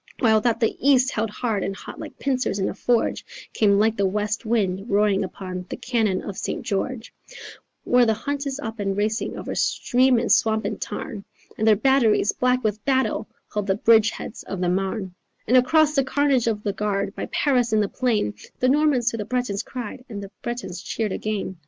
While that that the east held hard and hot like pincers in a forge, Came like the west wind roaring up the cannon of St. George, Where the hunt is up and racing over stream and swamp and tarn And their batteries, black with battle, hold the bridgeheads of the Marne And across the carnage of the Guard, by Paris in the plain, The Normans to the Bretons cried and the Bretons cheered again....